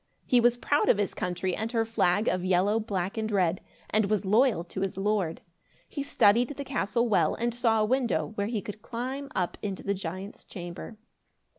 He was proud of his country and her flag of yellow, black and red, and was loyal to his lord. He studied the castle well and saw a window, where he could climb up into the giant's chamber.